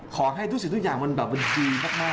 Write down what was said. ขอให้ดูสิทุกอย่างมันแบบดื่ยมากเลย